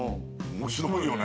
面白いね。